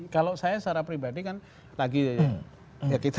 kalau saya secara pribadi kan lagi